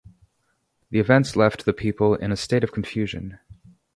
The events left the people in a state of confusion.